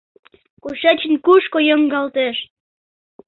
Кушечын-кушко йоҥгалтеш!